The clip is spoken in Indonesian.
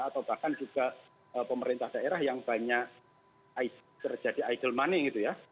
atau bahkan juga pemerintah daerah yang banyak terjadi idle money gitu ya